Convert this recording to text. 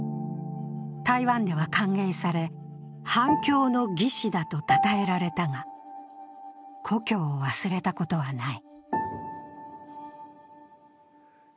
台湾では歓迎され反共の義士だとたたえられたが、故郷を忘れたことはない。